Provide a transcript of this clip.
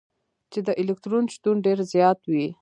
چي د الکترون شتون ډېر زيات وي.